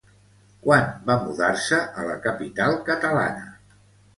Quan va mudar-se a la capital catalana?